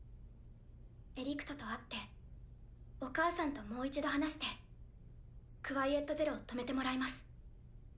・エリクトと会ってお母さんともう一度話して・クワイエット・ゼロを止めてもらいます。